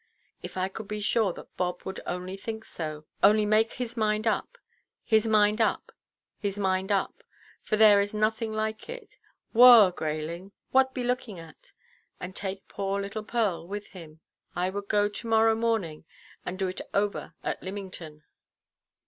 If I could be sure that Bob would only think so, only make his mind up, his mind up, his mind up—for there is nothing like it—whoa, Grayling, what be looking at?—and take poor little Pearl with him, I would go to–morrow morning, and do it over at Lymington."